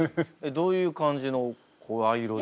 どういう感じの声色で？